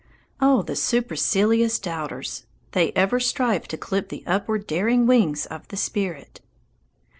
Oh, the supercilious doubters! They ever strive to clip the upward daring wings of the spirit.